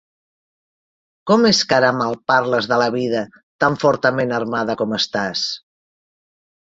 Com és que ara malparles de la vida, tan fortament armada com estàs?